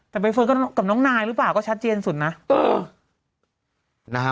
แต่ใบเฟิร์นกับน้องนายหรือเปล่าก็ชัดเจนสุดนะเออนะฮะ